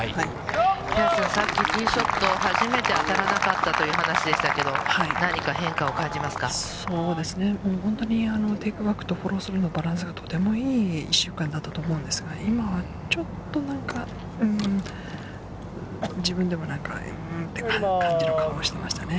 さっきティーショット、初めて当たらなかったという話でしたけれども、何か変化を感じまそうですね、本当にテークバックとフォロースルーのバランスがとてもいい１週間だったと思うんですが、今はちょっとなんか、うーん、自分でもなんかうーんっていう感じの顔をしてましたね。